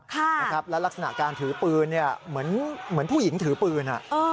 แล้วลักษณะการถือปืนเนี่ยเหมือนผู้หญิงถือปืน